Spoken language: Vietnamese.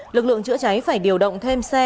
lực lượng chữa cháy phải điều động thêm xe